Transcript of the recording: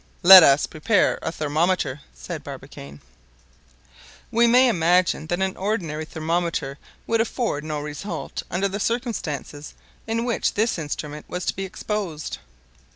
"Let us prepare a thermometer," said Barbicane. We may imagine that an ordinary thermometer would afford no result under the circumstances in which this instrument was to be exposed.